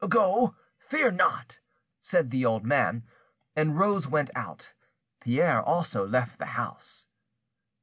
"Go, fear not," said the old man, and Rose went out. Pierre also left the house.